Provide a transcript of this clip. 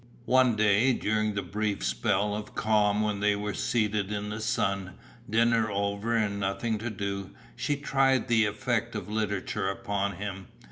One day, during a brief spell of calm when they were seated in the sun, dinner over and nothing to do, she tried the effect of literature upon him.